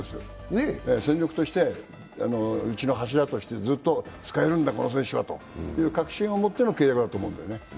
戦力として、うちの柱としてずっと使えるんだ、この選手はという確信を持っての契約だと思いますね。